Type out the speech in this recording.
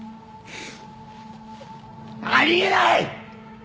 あり得ない！